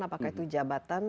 apakah itu jabatan